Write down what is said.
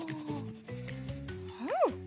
うん！